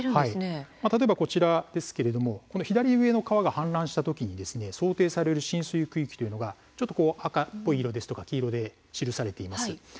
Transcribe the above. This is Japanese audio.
こちらですけれども左上の川が氾濫した時に想定される浸水区域というのがちょっと赤っぽい色とか黄色で色がつけられています。